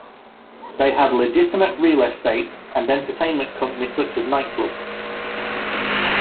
They had legitimate real estate and entertainment companies such as night clubs.